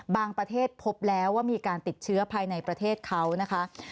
ประเทศพบแล้วว่ามีการติดเชื้อภายในประเทศเขานะคะ